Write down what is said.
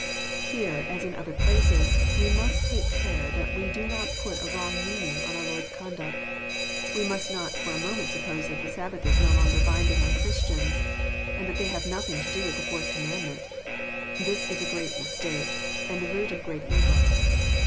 Here, as in other places, we must take care that we do not put a wrong meaning on our Lord's conduct. We must not for a moment suppose that the Sabbath is no longer binding on Christians, and that they have nothing to do with the Fourth Commandment. This is a great mistake, and the root of great evil.